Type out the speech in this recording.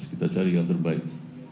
kita cari yang terbaik